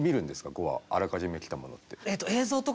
５話あらかじめ来たものって。